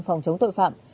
phòng chống tội phạm